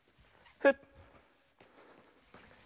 フッ。